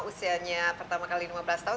usianya pertama kali lima belas tahun